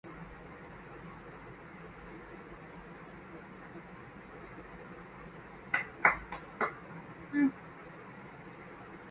It is part of the Durango Kid series of films.